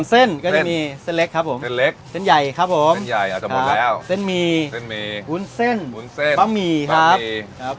เส้นเล็กเส้นใหญ่ครับผมเส้นใหญ่อาจจะหมดแล้วเส้นมีเส้นมีอุ้นเส้นอุ้นเส้นป้ามมีครับป้ามมีครับ